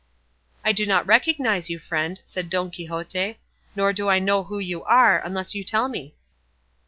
"I do not recognise you, friend," said Don Quixote, "nor do I know who you are, unless you tell me."